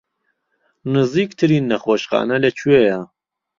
نزیکترین نەخۆشخانە لەکوێیە؟